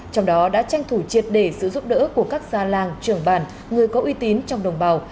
trong đó đã tranh thủ triệt để sự giúp đỡ của các gia làng trưởng bản người có uy tín trong đồng bào